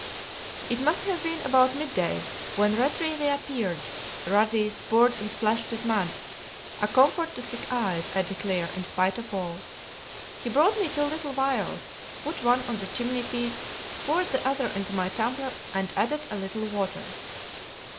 It must have been about mid day when Rattray reappeared, ruddy, spurred, and splashed with mud; a comfort to sick eyes, I declare, in spite of all. He brought me two little vials, put one on the chimney piece, poured the other into my tumbler, and added a little water.